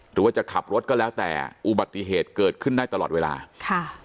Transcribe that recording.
หรือว่าจะขับรถก็แล้วแต่อุบัติเหตุเกิดขึ้นได้ตลอดเวลาค่ะ